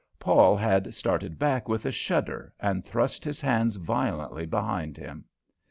Paul had started back with a shudder and thrust his hands violently behind him.